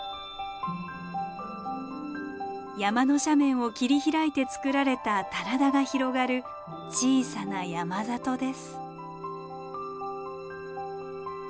山の斜面を切り開いてつくられた棚田が広がる小さな山里です。